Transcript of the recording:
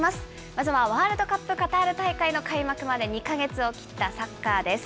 まずはワールドカップカタール大会開幕まで２か月を切ったサッカーです。